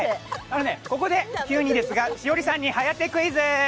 ここで急にですが、栞里さんに颯クイズ。